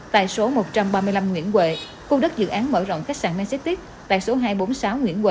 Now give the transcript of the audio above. tại số một trăm ba mươi năm nguyễn quệ khu đất dự án mở rộng khách sạn manxetit tại số hai trăm bốn mươi sáu nguyễn quệ